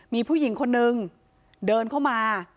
มีผู้หญิงคนนึงเดินเข้ามา